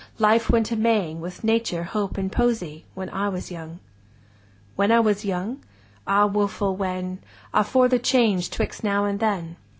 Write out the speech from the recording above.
Life went a maying With Nature, Hope, and Poesy, When I was young! 5 When I was young?—Ah, woful When! Ah! for the change 'twixt Now and Then!